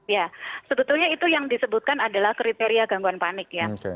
ya sebetulnya itu yang disebutkan adalah kriteria gangguan panik ya